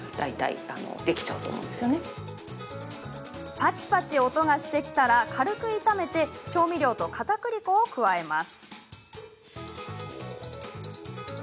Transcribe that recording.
パチパチ音がしてきたら軽く炒め調味料と、かたくり粉を加えます。